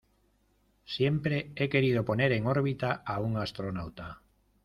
Siempre he querido poner en órbita a un astronauta.